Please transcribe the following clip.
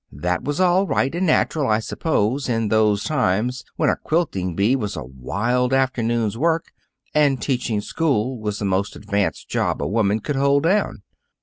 That was all right and natural, I suppose, in those times when a quilting bee was a wild afternoon's work, and teaching school was the most advanced job a woman could hold down."